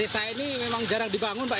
cuma penggeras kayak gini aja